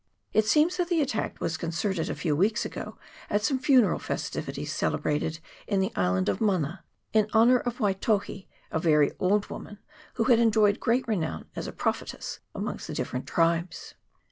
It seems that the attack was concerted a few weeks ago at some funeral festivities celebrated in the island of Mana, in honour of Waitohi, a very old woman, who had enjoyed great renown as a prophetess amongst the different tribes.